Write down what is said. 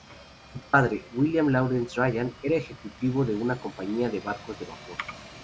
Su padre, William Lawrence Ryan, era ejecutivo de una compañía de barcos de vapor.